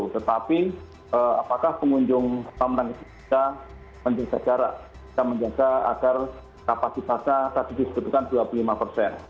tetapi apakah pengunjung kolam renang itu bisa menjaga jarak bisa menjaga agar kapasitasnya tak disedutkan dua puluh lima persen